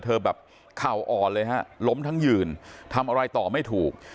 แบบเข่าอ่อนเลยฮะล้มทั้งยืนทำอะไรต่อไม่ถูก